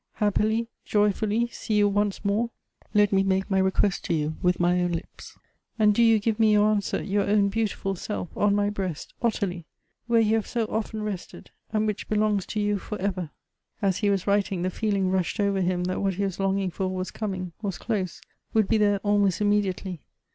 — happily, joyfully see you once more ! Let me make my request to you with my own lips ; and do you give me your answer your own beautiful selfj on my breast, Ottilie ! where you have so oilen rested, and which belongs to you for ever !" As he was writing, the feeling rushed over him that what he was longing for was coming — was close — would be there almost immediately.